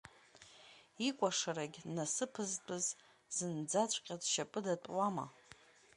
Икәашарагь насыԥызтәыз зынӡакҵәҟьа дшьапыдаптәуама?